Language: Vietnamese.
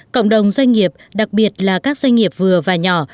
cộng đồng doanh nghiệp đặc biệt là các doanh nghiệp vừa và nhỏ